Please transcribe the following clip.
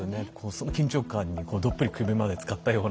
その緊張感にどっぷり首までつかったような。